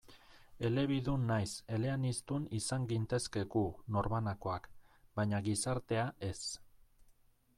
Elebidun nahiz eleaniztun izan gintezke gu, norbanakoak, baina gizartea, ez.